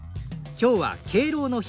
今日は敬老の日。